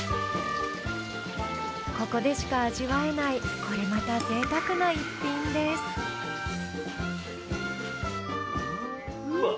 ここでしか味わえないこれまたぜいたくな逸品ですうわ。